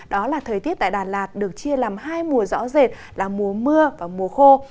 đó là thời tiết tại đà lạt được chia làm hai mùa rõ rệt là mùa mưa và mùa khô